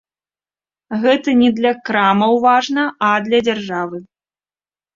Гэта не для крамаў важна, а для дзяржавы.